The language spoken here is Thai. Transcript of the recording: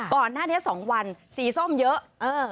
ก่อนหน้านี้๒วันสีส้มเยอะ